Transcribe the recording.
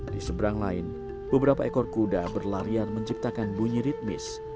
di seberang lain beberapa ekor kuda berlarian menciptakan bunyi ritmis